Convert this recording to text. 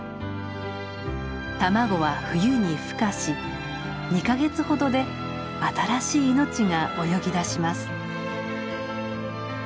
卵は冬にふ化し２か月ほどで新しい命が泳ぎだします。